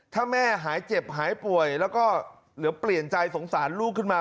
ถ้าแม่หายเจ็บหายป่วยแล้วก็เหลือเปลี่ยนใจสงสารลูกขึ้นมา